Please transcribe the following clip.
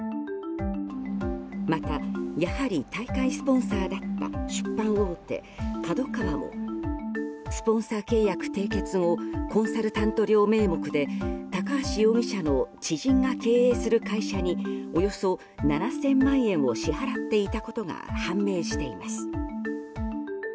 またやはり大会スポンサーだった出版大手ＫＡＤＯＫＡＷＡもスポンサー契約締結後コンサルタント料名目で高橋容疑者の知人が経営する会社におよそ７０００万円を支払っていたことが判明しています。